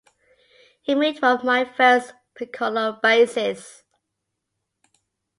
He made one of my first piccolo basses.